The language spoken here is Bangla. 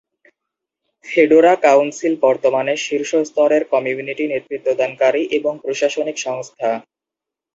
ফেডোরা কাউন্সিল বর্তমানে শীর্ষ স্তরের কমিউনিটি নেতৃত্বদানকারী এবং প্রশাসনিক সংস্থা।